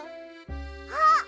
あっ！